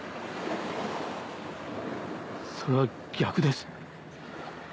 それは逆です。